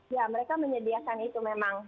ya mereka menyediakan itu memang